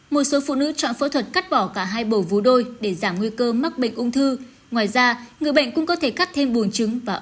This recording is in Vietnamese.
một số phụ nữ chọn phẫu thuật cắt bỏ cả hai bổ vú đôi để giảm nguy cơ mắc bệnh ung thư